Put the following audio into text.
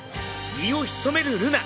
身を潜めるルナ。